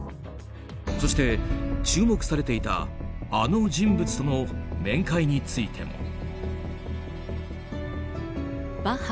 そして、注目されていたあの人物との面会についても。